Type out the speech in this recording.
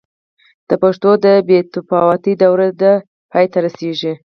د پښتو د بې تفاوتۍ دوره دې پای ته رسېږي.